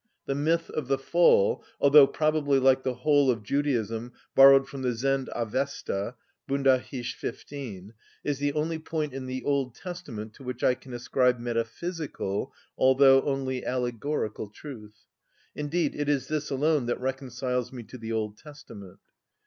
The myth of the fall (although probably, like the whole of Judaism, borrowed from the Zend‐ Avesta: Bundahish, 15), is the only point in the Old Testament to which I can ascribe metaphysical, although only allegorical, truth; indeed it is this alone that reconciles me to the Old Testament.